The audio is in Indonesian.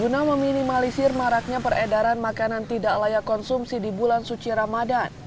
guna meminimalisir maraknya peredaran makanan tidak layak konsumsi di bulan suci ramadan